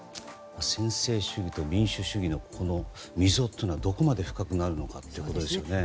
専制主義と民主主義の溝というのはどこまで深くなるかということですね。